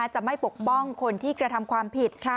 จะไม่ปกป้องคนที่กระทำความผิด